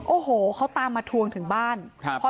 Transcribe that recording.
โอ้โหเขาตามมาทวงถึงบ้าน